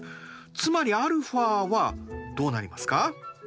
つまりαはどうなりますか？